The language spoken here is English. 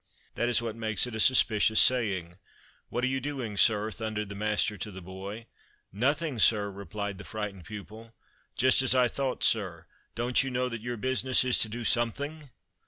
That is what makes it a suspicious saying, "What are you doing, sir?" thundered the master to the boy. "Nothing, sir," replied the frightened pupil. "Just as I thought, sir. Don't you know that your business is to do something?"